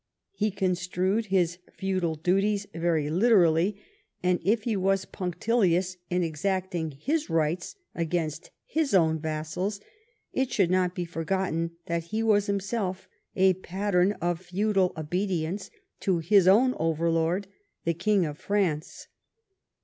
He construed his feudal duties very literally, and if he was punctilious in exacting his rights against his own vassals, it should not be forgotten that he was himself a pattern of feudal obedience to his own overlord the King of France.